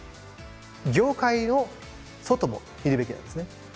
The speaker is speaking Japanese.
業界の外も見るべきなんですね。